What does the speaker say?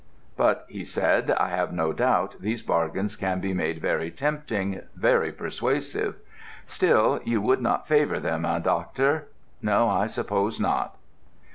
'But,' he said, 'I have no doubt these bargains can be made very tempting, very persuasive. Still, you would not favour them, eh, Doctor? No, I suppose not.'